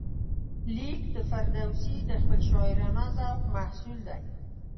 لیک د فردوسي د خپل شاعرانه ذوق محصول دی.